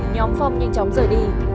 nhóm phong nhanh chóng rời đi